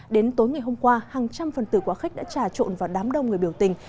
đến tối ngày hôm qua hàng trăm phần tử quá khích đã trà trộn vào đám đông người biểu tình